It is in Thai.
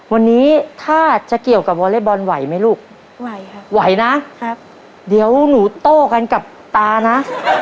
วันนี้ถ้าจะเกี่ยวกับวอเล็กบอลไหวไหมลูกไหวครับไหวนะครับเดี๋ยวหนูโต้กันกับตานะ